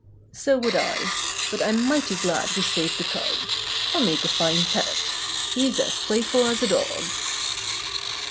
"So would I. But I'm mighty glad we saved the cub. He'll make a fine pet. He's as playful as a dog.